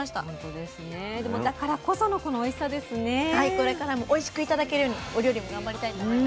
これからもおいしく頂けるようにお料理も頑張りたいと思います。